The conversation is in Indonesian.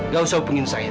gak usah hubungi saya